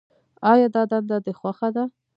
آیا دا دنده دې خوښه ده.